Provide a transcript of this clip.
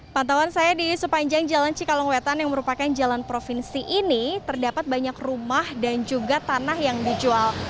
pantauan saya di sepanjang jalan cikalongwetan yang merupakan jalan provinsi ini terdapat banyak rumah dan juga tanah yang dijual